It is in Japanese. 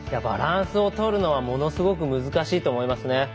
バランスを取るのはものすごく難しいと思いますね。